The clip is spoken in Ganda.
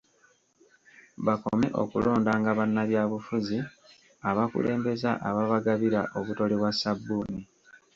Bakome okulondanga bannabyabufuzi abakulembeza ababagabira obutole bwa ssabbuuni.